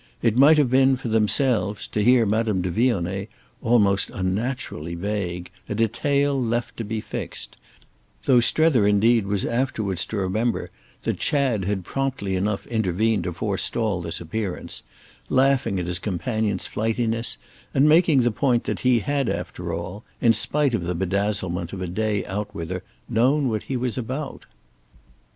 It might have been, for themselves—to hear Madame de Vionnet—almost unnaturally vague, a detail left to be fixed; though Strether indeed was afterwards to remember that Chad had promptly enough intervened to forestall this appearance, laughing at his companion's flightiness and making the point that he had after all, in spite of the bedazzlement of a day out with her, known what he was about.